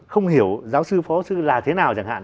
không hiểu giáo sư phó sư là thế nào chẳng hạn